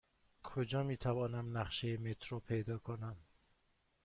کجا می توانم نقشه مترو پیدا کنم؟